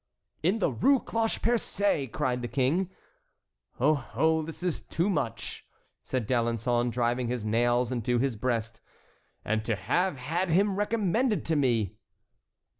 "In the Rue Cloche Percée!" cried the King. "Oh! oh! this is too much," said D'Alençon, driving his nails into his breast. "And to have had him recommended to me!"